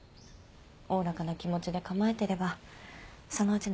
おおらかな気持ちで構えてればそのうち泣きやみますよ。